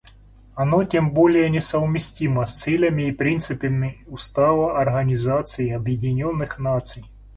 Оно тем более несовместимо с целями и принципами Устава Организации Объединенных Наций.